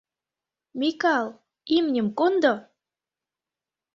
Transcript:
— Микал, имньым кондо!